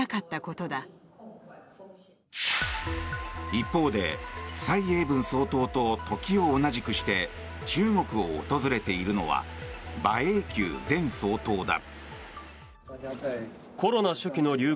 一方で、蔡英文総統と時を同じくして中国を訪れているのは馬英九前総統だ。